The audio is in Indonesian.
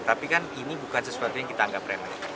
tapi kan ini bukan sesuatu yang kita anggap remeh